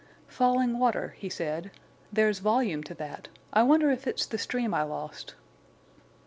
"Falling water," he said. "There's volume to that. I wonder if it's the stream I lost."